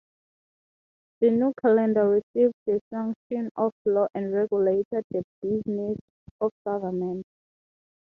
The new calendar received the sanction of law and regulated the business of government.